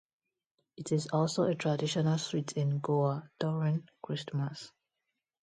It is also a traditional sweet in Goa during Christmas.